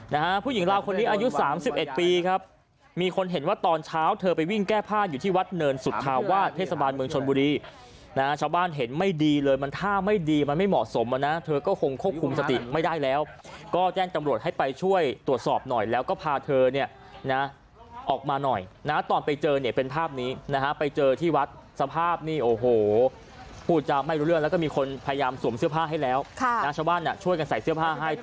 นะฮะผู้หญิงลาวคนนี้อายุ๓๑ปีครับมีคนเห็นว่าตอนเช้าเธอไปวิ่งแก้ภาพอยู่ที่วัดเนินสุทธาวาสเทศบาลเมืองชนบุรีนะชาวบ้านเห็นไม่ดีเลยมันท่าไม่ดีมันไม่เหมาะสมนะเธอก็คงควบคุมสติไม่ได้แล้วก็แจ้งตำรวจให้ไปช่วยตรวจสอบหน่อยแล้วก็พาเธอเนี่ยนะออกมาหน่อยนะตอนไปเจอเนี่ยเป็นภาพนี้นะฮะไปเ